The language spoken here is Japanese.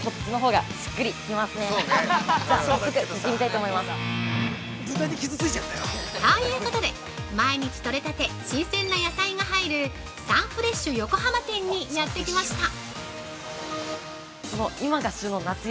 ◆ということで、毎日とれたて新鮮な野菜が入るサンフレッシュ横浜店にやってきました！